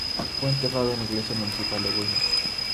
Fue enterrado en la iglesia municipal de Weimar.